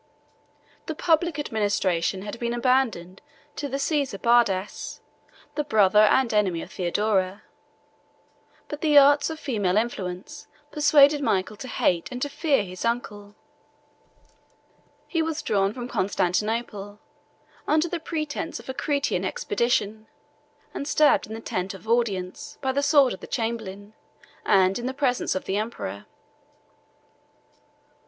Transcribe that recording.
The public administration had been abandoned to the Caesar Bardas, the brother and enemy of Theodora; but the arts of female influence persuaded Michael to hate and to fear his uncle: he was drawn from Constantinople, under the pretence of a Cretan expedition, and stabbed in the tent of audience, by the sword of the chamberlain, and in the presence of the emperor.